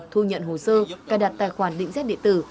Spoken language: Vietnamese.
thu nhận hồ sơ cài đặt tài khoản định xét địa tử